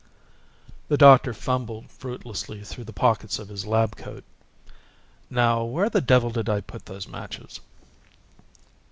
The doctor fumbled fruitlessly through the pockets of his lab coat. "Now where the devil did I put those matches?"